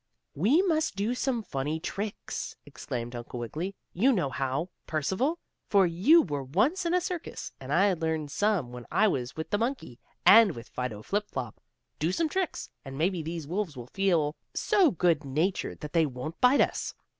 "We must do some funny tricks!" exclaimed Uncle Wiggily. "You know how, Percival, for you were once in a circus, and I learned some when I was with the monkey, and with Fido Flip Flop. Do some tricks, and maybe these wolves will feel so good natured that they won't bite us."